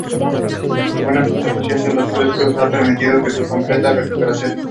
La buena conservación de los frescos ha permitido su completa recuperación.